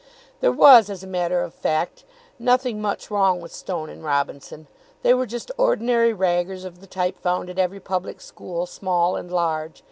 There was, as a matter of fact, nothing much wrong with Stone and Robinson. They were just ordinary raggers of the type found at every public school, small and large.